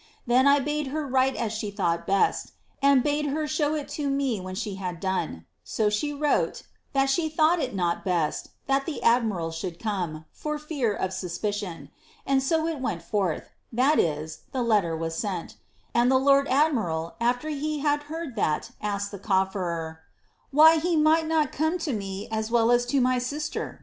Then I bade her write as she thought best, and bade her show it to me when she had done ; so she wrote, ' that she thought it not best, (that the admiral should come,) for fear of suspicion," and so it went (jTxh, (ihat is, the letter was sent,) and the lord admiral, at\er he had heard that, asked tlie corferer, *why he might not come to me as well as to my sister?'